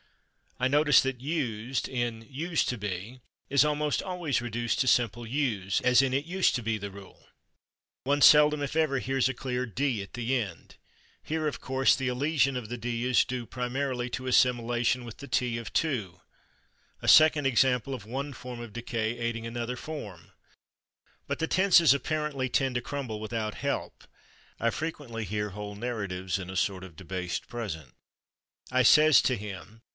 I notice that /used/, in /used to be/, is almost always reduced to simple /use/, as in "it /use/ to be the rule." One seldom, if ever, hears a clear /d/ at the end. Here, of course, the elision of the /d/ is due primarily to assimilation with the /t/ of /to/ a second example of one form of decay aiding another form. But the tenses apparently tend to crumble without help. I frequently hear whole narratives in a sort of debased present: "I /says/ to him....